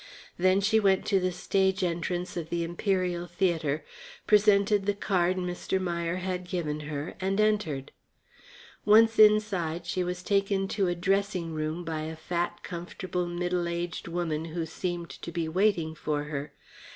Then she went to the stage entrance of the Imperial Theatre, presented the card Mr. Meier had given her, and entered. Once inside she was taken to a dressing room by a fat, comfortable, middle aged woman who seemed to be waiting for her.